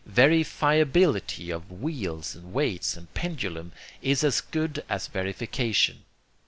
VerifiABILITY of wheels and weights and pendulum is as good as verification.